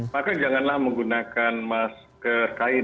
maka janganlah menggunakan masker kain